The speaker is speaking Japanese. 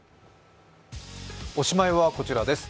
おしまいはこちらです。